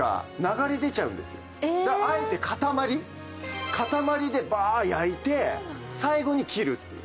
だからあえて塊塊でバーッ焼いて最後に切るっていう。